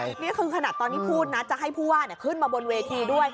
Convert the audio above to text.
นี่คือขนาดตอนที่พูดนะจะให้ผู้ว่าขึ้นมาบนเวทีด้วย